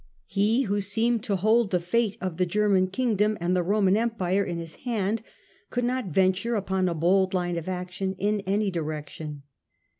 He, who seemed to hold the decision f^te of the German kingdom and the Roman empire in his hand, could not venture upon a bold line of action in any direction.